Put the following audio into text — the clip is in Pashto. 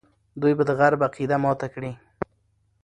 دوی به د غرب عقیده ماته کړي.